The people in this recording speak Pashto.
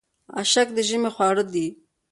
اشک د ژمي خواړه دي.